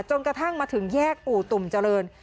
กระทั่งมาถึงแยกอู่ตุ่มเจริญ